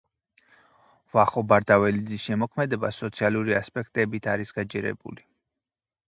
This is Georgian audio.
ვახო ბარდაველიძის შემოქმედება სოციალური ასპექტებით არის გაჯერებული.